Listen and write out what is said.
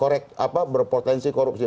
korek apa berpotensi korupsi